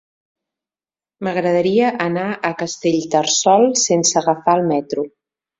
M'agradaria anar a Castellterçol sense agafar el metro.